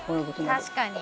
「確かに。